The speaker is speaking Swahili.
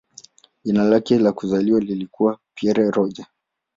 Jina lake la kuzaliwa lilikuwa "Pierre Roger".